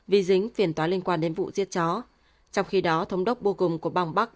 vì dính phiền toán liên quan đến vụ giết chó trong khi đó thống đốc boogum của bang bắc